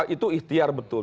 itu ikhtiar betul